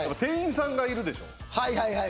はい